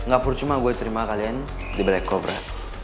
gak perlu cuma gue terima kalian di balai kobra